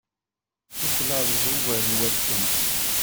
Tuklaleḍ ugar n wakken.